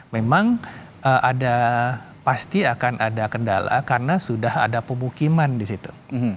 memang ada pasti akan ada kendala karena sudah ada pemukiman di situ